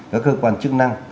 các cơ quan chức năng